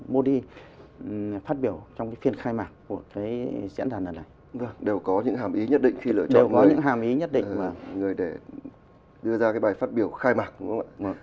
vâng đều có những hàm ý nhất định khi lựa chọn người để đưa ra cái bài phát biểu khai mạc đúng không ạ